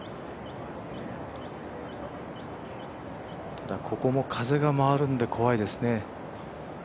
ただ、ここも風が回るんで怖いですね。